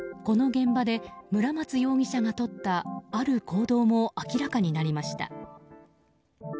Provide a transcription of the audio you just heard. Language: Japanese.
この現場で村松容疑者がとったある行動が明らかになりました。